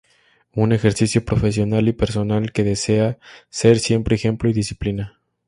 Un ejercicio profesional y personal que desea ser siempre ejemplo y disciplina.